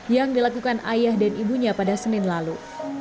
yang dilakukan ayah dan ibunya pada senin lalu